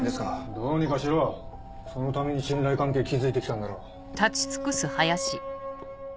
どうにかしろそのために信頼関係築いて来たんだろう。